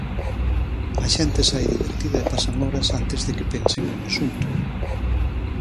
A xente sae divertida e pasan horas antes de que pensen no asunto.